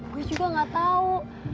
gue juga nggak tahu